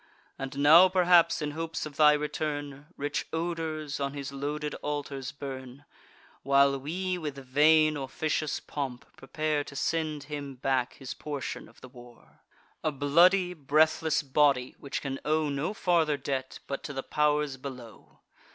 And now perhaps, in hopes of thy return, Rich odors on his loaded altars burn, While we, with vain officious pomp, prepare To send him back his portion of the war, A bloody breathless body, which can owe No farther debt, but to the pow'rs below.